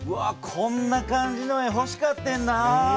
こんな感じの絵ほしかってんな。